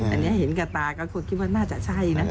อันนี้เห็นกับตาก็คิดว่าน่าจะใช่นะคะ